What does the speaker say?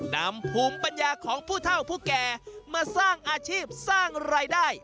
นำภูมิปัญญาของผู้เท่าผู้แก่มาสร้างอาชีพสร้างรายได้